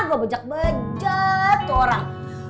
gue bejak meja tuh orang